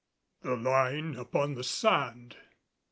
THE LINE UPON THE SAND.